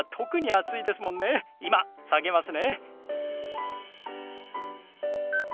今下げますね。